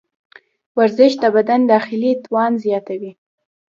ورزش د بدن داخلي توان زیاتوي.